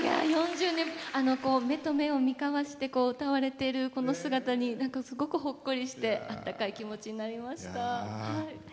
４０年目と目を合わせて歌われてる姿にすごくほっこりしてあったかい気持ちになりました。